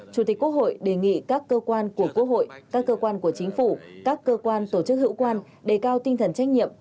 chủ tịch quốc hội đề nghị các cơ quan của quốc hội các cơ quan của chính phủ các cơ quan tổ chức hữu quan đề cao tinh thần trách nhiệm